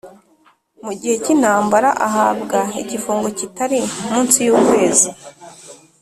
Mu gihe cy intambara ahabwa igifungo kitari munsi y ukwezi